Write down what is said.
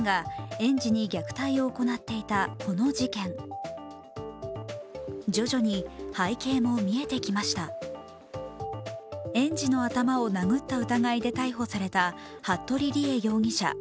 園児の頭を殴った疑いで逮捕された服部理江容疑者。